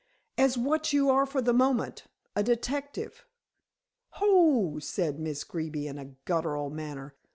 "As what you are for the moment, a detective." "Ho!" said Miss Greeby in a guttural manner.